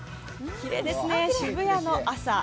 きれいですね、渋谷の朝。